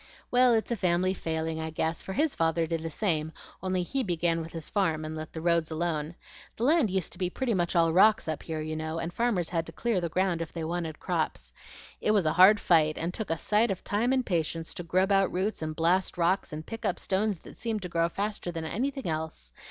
"Well, it's a family failing I guess, for his father did the same, only HE began with his farm and let the roads alone. The land used to be pretty much all rocks up here, you know, and farmers had to clear the ground if they wanted crops. It was a hard fight, and took a sight of time and patience to grub out roots and blast rocks and pick up stones that seemed to grow faster than anything else.